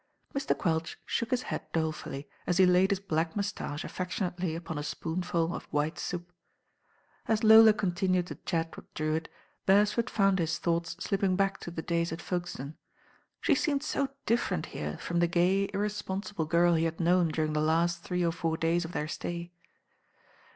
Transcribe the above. Mr. Quelch shook his head dolefully, as he laid his black moustache aflfectionately upon a spoonful of white soup. As Lola continued to chat with Drewitt, Berea ford found his thoughts slipping back to the days at Folkestone. She seemed so different here from the gay, irresponsible girl he had known during the last three or four days of their stay.